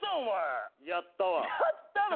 やったの？